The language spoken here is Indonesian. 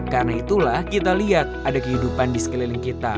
karena itulah kita lihat ada kehidupan di sekeliling kita